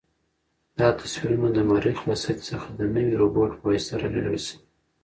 دا تصویرونه د مریخ له سطحې څخه د نوي روبوټ په واسطه رالېږل شوي.